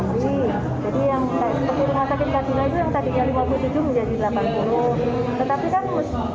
jadi yang seperti rumah sakit kajina itu yang tadinya lima puluh tujuh menjadi delapan puluh